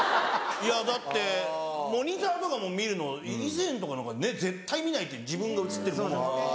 いやだってモニターとかも見るの以前とか何かね絶対見ないって自分が映ってるものを。